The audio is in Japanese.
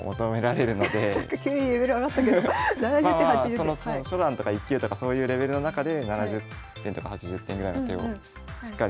まあまあその初段とか１級とかそういうレベルの中で７０点とか８０点ぐらいの手をしっかり指せるように。